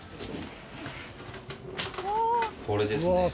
これですね。